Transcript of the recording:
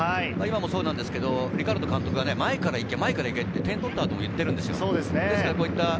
今もそうなんですけど、リカルド監督が前から行けと言ってるんですよね。